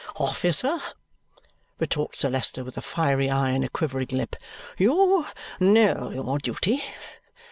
"Officer," retorts Sir Leicester with a fiery eye and a quivering lip, "you know your duty.